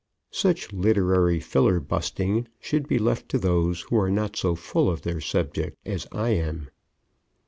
Such literary fillerbusting should be left to those who are not so full of their subject as I am.